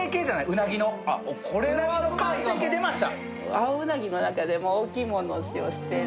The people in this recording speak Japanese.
うなぎの完成形出ました。